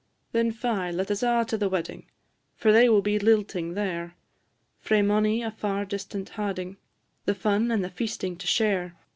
Then fy, let us a' to the wedding, For they will be lilting there, Frae mony a far distant ha'ding, The fun and the feasting to share.